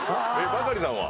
バカリさんは？